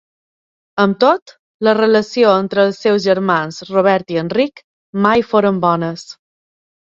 Amb tot, la relació entre els seus germans Robert i Enric mai foren bones.